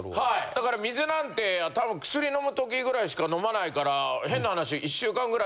だから水なんてたぶん薬飲む時ぐらいしか飲まないから変な話。え！